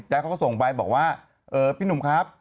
แล้วเขาก็ส่งไปบอกว่าพี่หนุ่มครับ